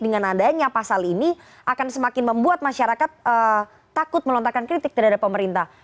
dengan adanya pasal ini akan semakin membuat masyarakat takut melontarkan kritik terhadap pemerintah